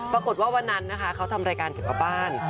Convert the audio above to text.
ปรากฏว่าวันนั้นนะคะเขาทำรายการเก็บบ้าน